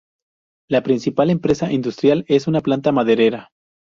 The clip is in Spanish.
La principal empresa industrial es una planta maderera.